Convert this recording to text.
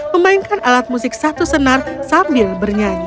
memainkan alat musik satu senar sambil bernyanyi